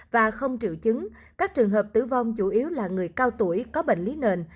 và không triệu chứng các trường hợp tử vong chủ yếu là người cao tuổi có bệnh lý nền